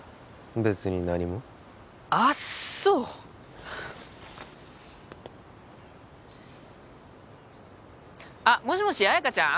別に何もあっそうあっもしもし綾華ちゃん？